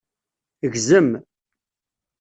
Gzem.